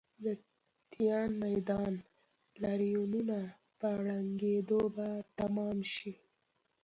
د تیان میدان لاریونونه په ړنګېدو به تمام شي.